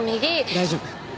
大丈夫。